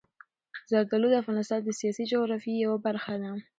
زردالو د افغانستان د سیاسي جغرافیې یوه برخه ده.